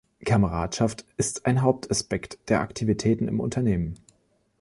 Kameradschaft ist ein Hauptaspekt der Aktivitäten im Unternehmen.